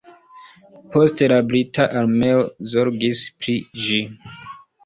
Poste la brita armeo zorgis pri ĝi.